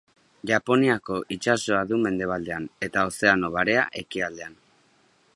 Japoniako itsasoa du mendebalean eta Ozeano Barea ekialdean.